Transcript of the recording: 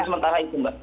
itu sementara itu